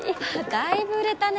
たいぶ売れたね。